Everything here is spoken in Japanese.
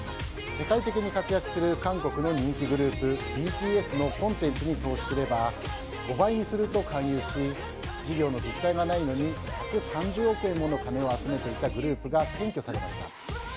世界的に活躍する韓国の人気グループＢＴＳのコンテンツに投資すれば５倍にすると勧誘し事業の実態がないのに１３０億円もの金を集めていたグループが検挙されました。